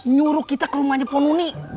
nyuruh kita ke rumahnya ponuni